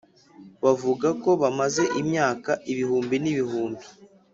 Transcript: bavuga ko bahamaze imyaka ibihumbi n’ibihumbi!